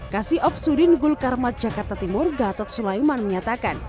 kasih opsudin gulkarmat jakarta timur gatot sulaiman menyatakan